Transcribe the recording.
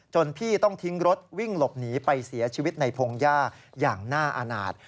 พี่ต้องทิ้งรถวิ่งหลบหนีไปเสียชีวิตในพงหญ้าอย่างน่าอาณาจ